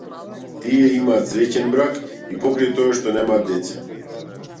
Тие имаат среќен брак, и покрај тоа што немаат деца.